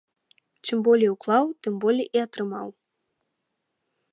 Чым болей уклаў, тым болей і атрымаў.